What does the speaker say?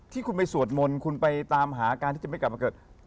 ที่คุณไปสวดมนต์คุณไปตามหาการที่จะไม่กลับมาเกิด